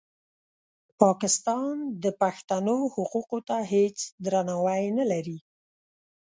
پاکستان د پښتنو حقوقو ته هېڅ درناوی نه لري.